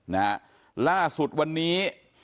นะฮะล่าสุดวันนี้